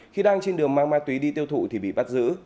khi đang trên đường mang ma túy đi tiêu thụ thì bị bắt giữ